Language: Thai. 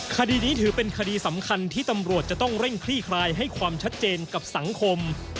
คดีนี้ถือเป็นคดีสำคัญที่ตำรวจจะต้องเร่งคลี่คลายให้ความชัดเจนกับสังคม